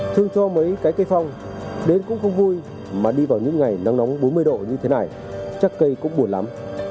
thương cho mấy cái cây phong đến cũng không vui mà đi vào những ngày nắng nóng bốn mươi độ như thế này chắc cây cũng buồn lắm